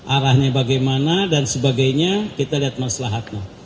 arahnya bagaimana dan sebagainya kita lihat masalah haknya